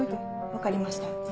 分かりました。